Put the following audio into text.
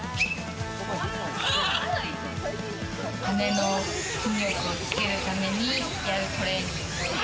羽の筋力をつけるためにやるトレーニング。